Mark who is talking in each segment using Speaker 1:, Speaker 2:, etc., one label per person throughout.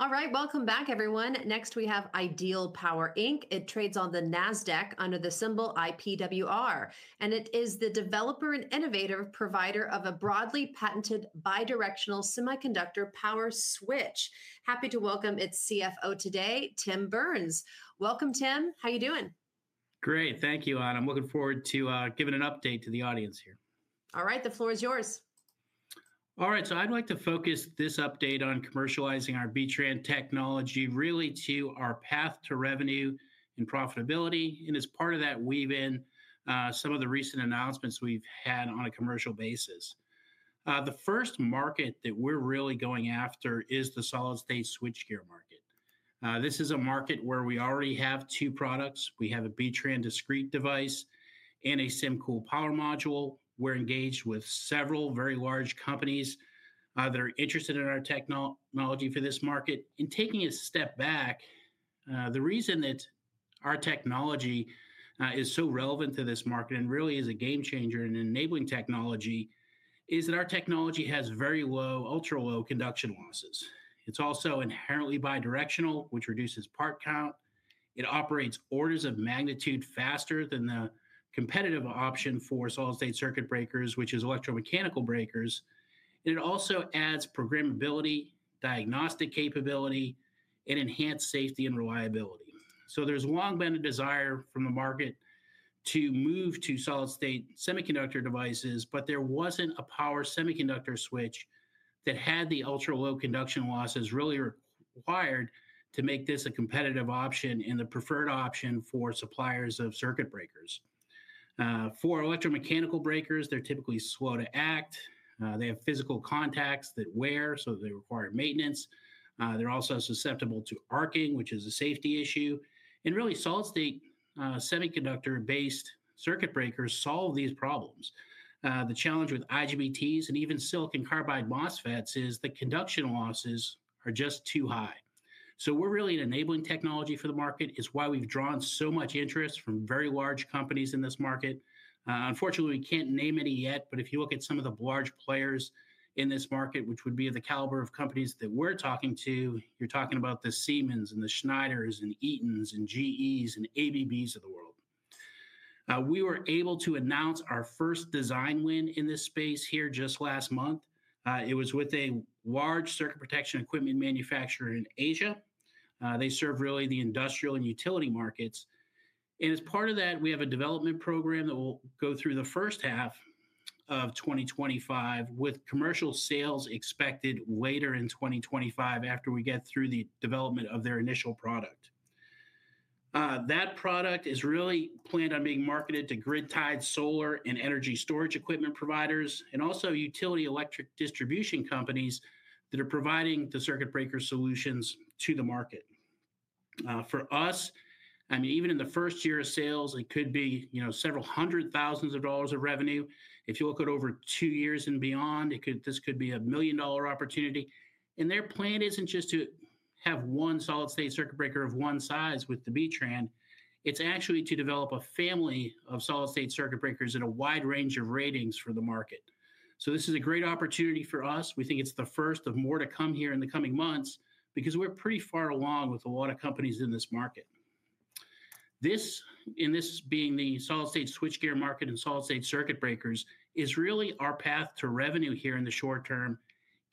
Speaker 1: All right, welcome back, everyone. Next, we have Ideal Power Inc. It trades on the NASDAQ under the symbol IPWR, and it is the developer and innovator provider of a broadly patented bidirectional semiconductor power switch. Happy to welcome its CFO today, Tim Burns. Welcome, Tim. How are you doing?
Speaker 2: Great. Thank you, Ana. I'm looking forward to giving an update to the audience here. All right, the floor is yours.
Speaker 1: All right, so I'd like to focus this update on commercializing our B-TRAN technology really to our path to revenue and profitability, and as part of that, weave in some of the recent announcements we've had on a commercial basis. The first market that we're really going after is the solid-state switchgear market. This is a market where we already have two products. We have a B-TRAN discrete device and a SymCool Power Module. We're engaged with several very large companies that are interested in our technology for this market, and taking a step back, the reason that our technology is so relevant to this market and really is a game changer in enabling technology is that our technology has very low, ultra-low conduction losses. It's also inherently bidirectional, which reduces part count. It operates orders of magnitude faster than the competitive option for solid-state circuit breakers, which is electromechanical breakers. And it also adds programmability, diagnostic capability, and enhanced safety and reliability. So there's long been a desire from the market to move to solid-state semiconductor devices, but there wasn't a power semiconductor switch that had the ultra-low conduction losses really required to make this a competitive option and the preferred option for suppliers of circuit breakers. For electromechanical breakers, they're typically slow to act. They have physical contacts that wear, so they require maintenance. They're also susceptible to arcing, which is a safety issue. And really, solid-state semiconductor-based circuit breakers solve these problems. The challenge with IGBTs and even silicon carbide MOSFETs is the conduction losses are just too high. So we're really enabling technology for the market, is why we've drawn so much interest from very large companies in this market. Unfortunately, we can't name any yet, but if you look at some of the large players in this market, which would be of the caliber of companies that we're talking to, you're talking about the Siemens and the Schneiders and Eatons and GEs and ABBs of the world. We were able to announce our first design win in this space here just last month. It was with a large circuit protection equipment manufacturer in Asia. They serve really the industrial and utility markets. And as part of that, we have a development program that will go through the first half of 2025, with commercial sales expected later in 2025 after we get through the development of their initial product. That product is really planned on being marketed to grid-tied solar and energy storage equipment providers and also utility electric distribution companies that are providing the circuit breaker solutions to the market. For us, I mean, even in the first year of sales, it could be several hundred thousand dollars of revenue. If you look at over two years and beyond, this could be a $1 million opportunity, and their plan isn't just to have one solid-state circuit breaker of one size with the B-TRAN. It's actually to develop a family of solid-state circuit breakers in a wide range of ratings for the market, so this is a great opportunity for us. We think it's the first of more to come here in the coming months because we're pretty far along with a lot of companies in this market. This, and this being the solid-state switchgear market and solid-state circuit breakers, is really our path to revenue here in the short term,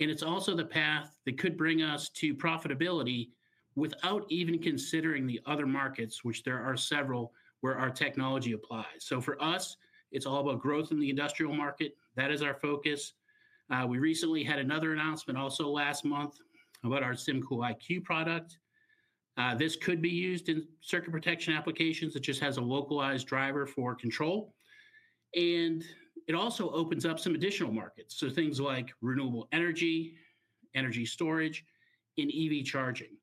Speaker 1: and it's also the path that could bring us to profitability without even considering the other markets, which there are several where our technology applies, so for us, it's all about growth in the industrial market. That is our focus. We recently had another announcement also last month about our SymCool IQ product. This could be used in circuit protection applications. It just has a localized driver for control, and it also opens up some additional markets, so things like renewable energy, energy storage, and EV charging,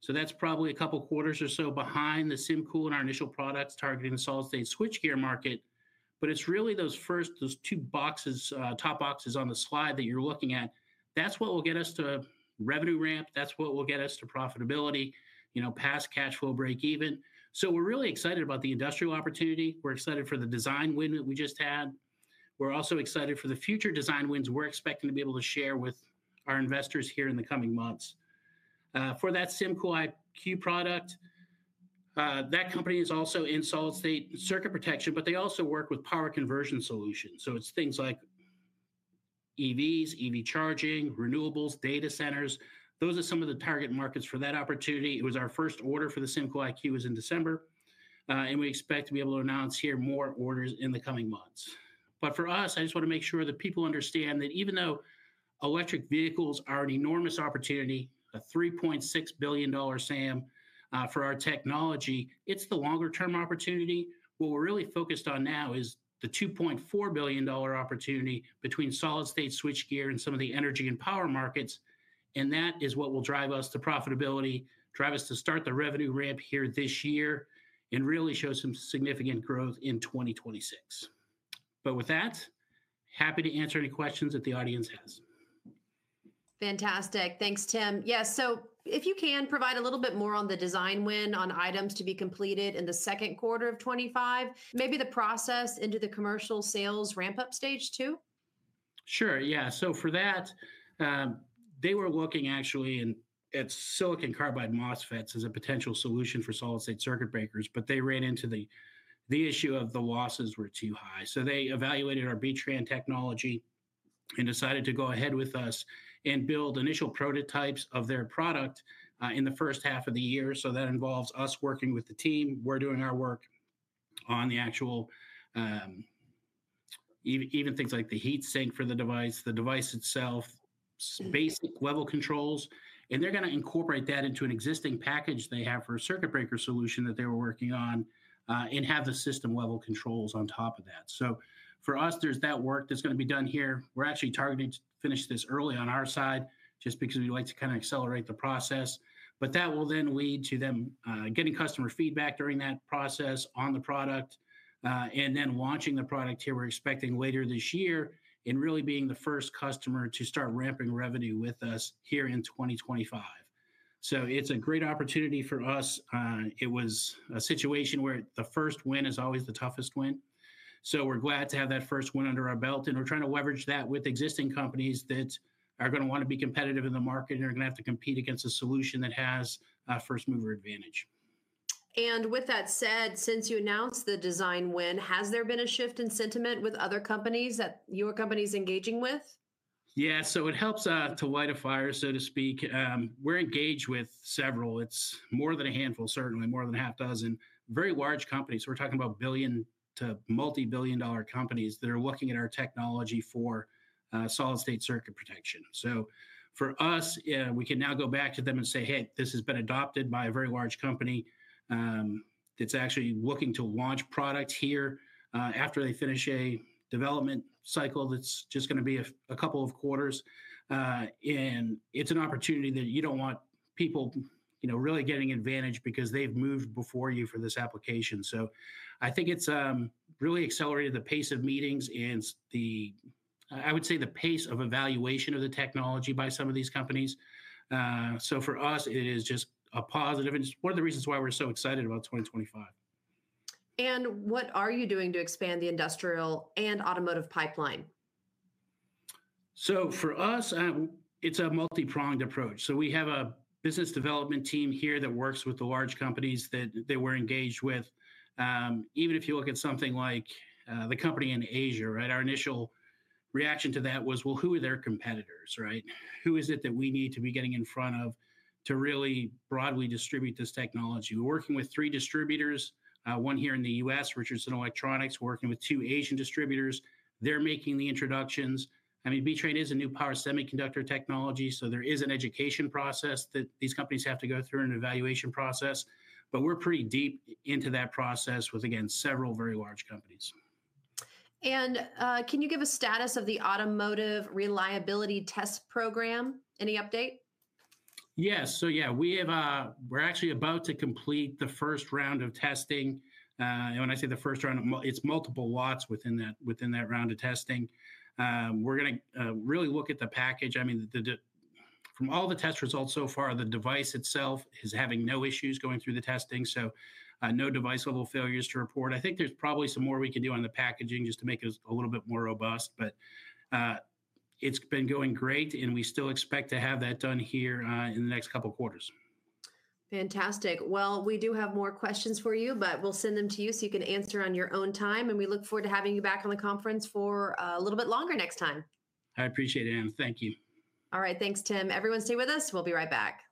Speaker 1: so that's probably a couple quarters or so behind the SymCool and our initial products targeting the solid-state switchgear market, but it's really those first two boxes, top boxes on the slide that you're looking at. That's what will get us to revenue ramp. That's what will get us to profitability, past cash flow break even. So we're really excited about the industrial opportunity. We're excited for the design win that we just had. We're also excited for the future design wins we're expecting to be able to share with our investors here in the coming months. For that SymCool IQ product, that company is also in solid-state circuit protection, but they also work with power conversion solutions. So it's things like EVs, EV charging, renewables, data centers. Those are some of the target markets for that opportunity. It was our first order for the SymCool IQ in December. And we expect to be able to announce here more orders in the coming months. But for us, I just want to make sure that people understand that even though electric vehicles are an enormous opportunity, a $3.6 billion SAM for our technology, it's the longer-term opportunity. What we're really focused on now is the $2.4 billion opportunity between solid-state switchgear and some of the energy and power markets, and that is what will drive us to profitability, drive us to start the revenue ramp here this year, and really show some significant growth in 2026, but with that, happy to answer any questions that the audience has. Fantastic. Thanks, Tim. Yeah, so if you can provide a little bit more on the design win on items to be completed in the second quarter of 2025, maybe the process into the commercial sales ramp-up stage too?
Speaker 2: Sure, yeah. So for that, they were looking actually at silicon carbide MOSFETs as a potential solution for solid-state circuit breakers, but they ran into the issue of the losses were too high. So they evaluated our B-TRAN technology and decided to go ahead with us and build initial prototypes of their product in the first half of the year. So that involves us working with the team. We're doing our work on the actual even things like the heat sink for the device, the device itself, basic level controls. And they're going to incorporate that into an existing package they have for a circuit breaker solution that they were working on and have the system level controls on top of that. So for us, there's that work that's going to be done here. We're actually targeting to finish this early on our side just because we like to kind of accelerate the process. But that will then lead to them getting customer feedback during that process on the product and then launching the product here. We're expecting later this year and really being the first customer to start ramping revenue with us here in 2025. So it's a great opportunity for us. It was a situation where the first win is always the toughest win. So we're glad to have that first win under our belt. And we're trying to leverage that with existing companies that are going to want to be competitive in the market and are going to have to compete against a solution that has a first-mover advantage.
Speaker 1: And with that said, since you announced the design win, has there been a shift in sentiment with other companies that your company is engaging with?
Speaker 2: Yeah, so it helps to light a fire, so to speak. We're engaged with several. It's more than a handful, certainly more than half a dozen, very large companies. We're talking about billion- to multi-billion-dollar companies that are looking at our technology for solid-state circuit protection. So for us, we can now go back to them and say, "Hey, this has been adopted by a very large company that's actually looking to launch products here after they finish a development cycle that's just going to be a couple of quarters." And it's an opportunity that you don't want people really getting advantage because they've moved before you for this application. So I think it's really accelerated the pace of meetings and I would say the pace of evaluation of the technology by some of these companies. So for us, it is just a positive. It's one of the reasons why we're so excited about 2025.
Speaker 1: What are you doing to expand the industrial and automotive pipeline?
Speaker 2: So for us, it's a multi-pronged approach. So we have a business development team here that works with the large companies that we're engaged with. Even if you look at something like the company in Asia, right, our initial reaction to that was, "Well, who are their competitors, right? Who is it that we need to be getting in front of to really broadly distribute this technology?" We're working with three distributors, one here in the U.S., Richardson Electronics. We're working with two Asian distributors. They're making the introductions. I mean, B-TRAN is a new power semiconductor technology, so there is an education process that these companies have to go through and an evaluation process. But we're pretty deep into that process with, again, several very large companies.
Speaker 1: Can you give a status of the automotive reliability test program? Any update?
Speaker 2: Yes. So yeah, we're actually about to complete the first round of testing, and when I say the first round, it's multiple lots within that round of testing. We're going to really look at the package. I mean, from all the test results so far, the device itself is having no issues going through the testing, so no device-level failures to report. I think there's probably some more we can do on the packaging just to make it a little bit more robust, but it's been going great, and we still expect to have that done here in the next couple of quarters.
Speaker 1: Fantastic. Well, we do have more questions for you, but we'll send them to you so you can answer on your own time. And we look forward to having you back on the conference for a little bit longer next time.
Speaker 2: I appreciate it, Ana. Thank you.
Speaker 1: All right, thanks, Tim. Everyone stay with us. We'll be right back.